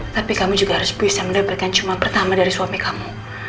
tapi kamu juga harus bisa mendapatkan cuma pertama dari suami kamu